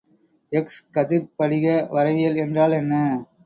X கதிர்ப்படிக வரைவியல் என்றால் என்ன?